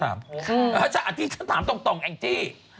อาจจะฉันถามตรงแอ๊ะจี้